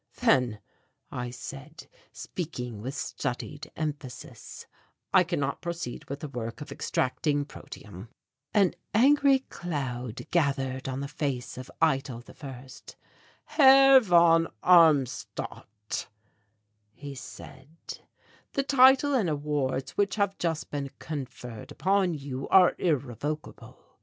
"Then," I said, speaking with studied emphasis, "I cannot proceed with the work of extracting protium." An angry cloud gathered on the face of Eitel I. "Herr von Armstadt," he said, "the title and awards which have just been conferred upon you are irrevocable.